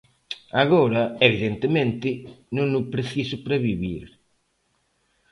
Agora, evidentemente, non o preciso para vivir.